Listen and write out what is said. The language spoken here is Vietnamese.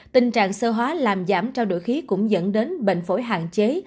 tình trạng sơ hóa làm giảm trao đổi khí cũng dẫn đến bệnh phổi hạn chế